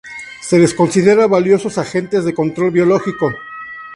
Se las considera valiosos agentes de control biológico.